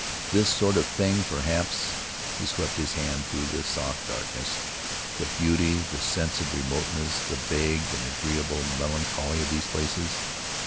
This sort of thing, perhaps [he swept his hand through the soft darkness] ... the beauty, the sense of remoteness, the vague and agreeable melan choly of these places.